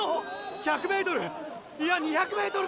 １００ｍいや２００ｍだ！